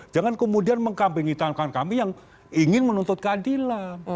jangan kemudian mengkampingi tangan kami yang ingin menuntutkan dilam